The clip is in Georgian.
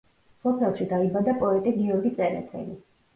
სოფელში დაიბადა პოეტი გიორგი წერეთელი.